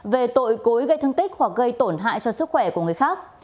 về tội cối gây thương tích hoặc gây tổn hại cho sức khỏe của người khác